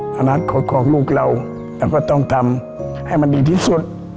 พระนัทขอของลูกเราเราก็ต้องทำให้มันดีที่สุด